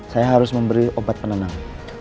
saya harus memberi obat penenang